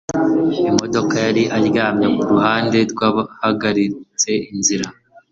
Imodoka yari aryamye kuruhande rwahagaritse inzira.